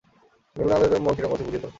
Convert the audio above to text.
মিলনের আর্ট তোমার মনে কিরকম আছে বুঝিয়ে দাও।